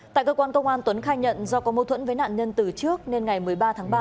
tại cơ quan công an tuấn khai nhận do có mâu thuẫn với nạn nhân từ trước nên ngày một mươi ba tháng ba